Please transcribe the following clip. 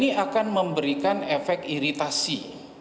dia juga akan memberikan efek iritasi